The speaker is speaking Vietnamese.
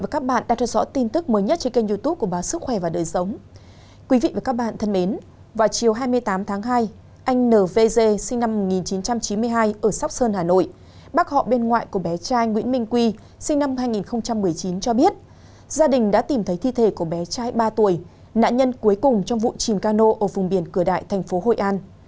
các bạn hãy đăng ký kênh để ủng hộ kênh của chúng mình nhé